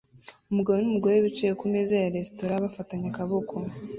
Umugabo numugore bicaye kumeza ya resitora bafatanye amaboko